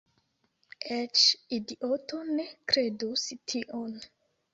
Eĉ idioto ne kredus tion."